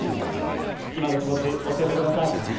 今の気持ち、教えてください。